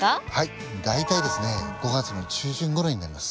大体ですね５月の中旬頃になります。